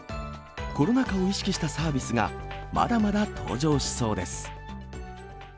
コロナ禍を意識したサービスがまだまだ登場しそうです。